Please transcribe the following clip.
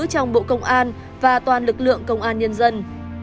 trong bộ công an và toàn lực lượng công an nhân dân